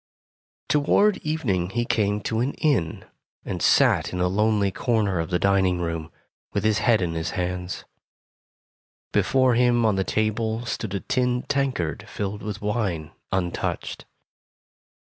Toward evening he came to an inn, and sat in a lonely corner of the dining room, with his head in his hands. Before him, on the table, stood a tin tankard filled with wine, untouched.